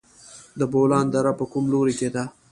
د بولان دره په کوم لوري کې ده؟